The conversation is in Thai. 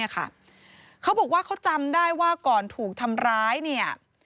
เขาบอกว่าเขาจำได้ว่าก่อนถูกทำร้ายเนี่ย